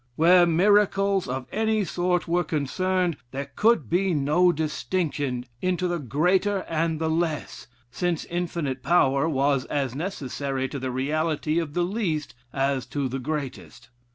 Where miracles of any sort were concerned, there could be no distinction into the greater and the less, since infinite power was as necessary to the reality of the least as to the greatest.